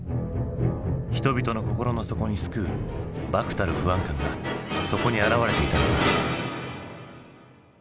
人々の心の底に巣くう漠たる不安感がそこに表れていたのか。